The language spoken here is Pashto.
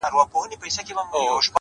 مثبت فکر د هیلو رڼا ساتي’